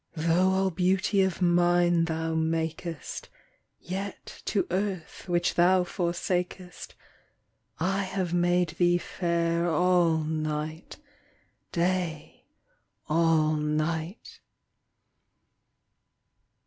Though all beauty of nine thou makest, Yet to earth which thou forsakest I have made thee fair all night, Day all night.